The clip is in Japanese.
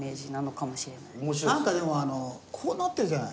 なんかでもあのこうなってるじゃない。